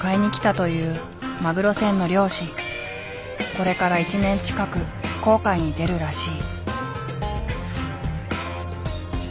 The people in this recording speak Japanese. これから１年近く航海に出るらしい。